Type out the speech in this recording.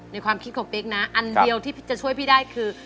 ความคิดของเป๊กนะอันเดียวที่จะช่วยพี่ได้คือ